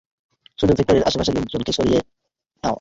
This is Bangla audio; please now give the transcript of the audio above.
শুধু ফ্যাক্টরির আশেপাশের লোকজনকে স্যরিয়ে নাও।